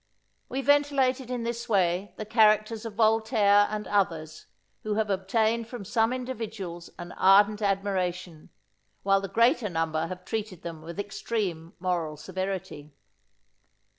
We ventilated in this way the characters of Voltaire and others, who have obtained from some individuals an ardent admiration, while the greater number have treated them with extreme moral severity.